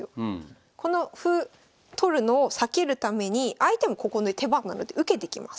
この歩取るのを避けるために相手もここね手番なので受けてきます。